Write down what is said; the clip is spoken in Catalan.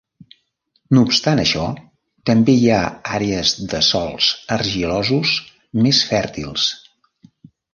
No obstant això, també hi ha àrees de sòls argilosos més fèrtils.